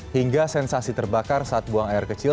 hingga sensasi terbakar saat buang air kecil